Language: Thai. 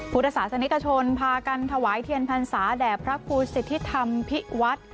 พุทธศาสนิกชนพากันถวายเทียนพรรษาแด่พระครูสิทธิธรรมพิวัฒน์